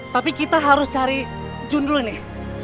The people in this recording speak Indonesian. tapi kita harus cari jun dulu nih